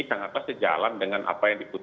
sangatlah sejalan dengan apa yang disampaikan